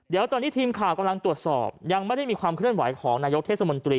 เดี๋ยวตอนนี้ทีมข่าวกำลังตรวจสอบยังไม่ได้มีความเคลื่อนไหวของนายกเทศมนตรี